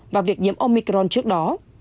và việc nhiễm omicron trước đó